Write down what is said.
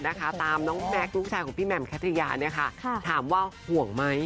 ประเทศนะคะตามน้องแม็คลูกชายของพี่แหม่มแคทยาเนี่ยค่ะค่ะถามว่าห่วงไหม